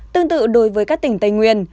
tương tự đối với các tỉnh tây nguyên